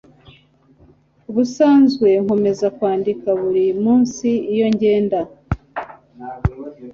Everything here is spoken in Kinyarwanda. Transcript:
Ubusanzwe nkomeza kwandika buri munsi iyo ngenda